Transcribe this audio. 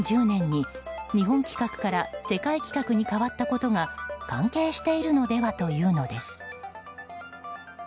２０１０年に、日本規格から世界規格に変わったことが関係しているのではというのです。